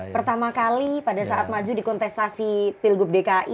pertama kali pada saat maju di kontestasi pilgub dki